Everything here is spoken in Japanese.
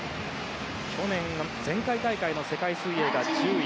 去年、前回大会の世界水泳では１０位。